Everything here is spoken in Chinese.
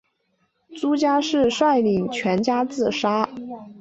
朱家仕率领全家自杀。